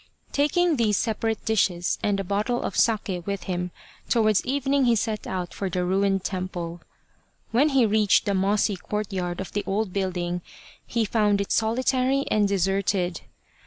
Taking these separate dishes and a bottle of sake with him, towards evening he set out for the ruined temple. When he reached the mossy courtyard of the old 271 The Badger Haunted Temple building he found it solitary and deserted.